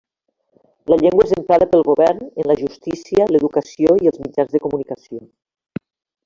La llengua és emprada pel govern, en la justícia, l'educació i els mitjans de comunicació.